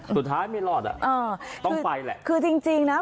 ไม่รอดอ่ะเออต้องไปแหละคือจริงจริงนะ